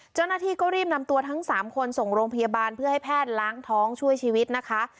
เจ้าหน้าที่ก็รีบนำตัวทั้ง๓คนส่งโรงพยาบาลเพื่อให้แพทย์ล้างท้องช่วยชีวิตนะคะ